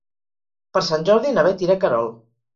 Per Sant Jordi na Bet irà a Querol.